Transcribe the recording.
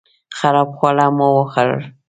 خراب خواړه مو وخوړل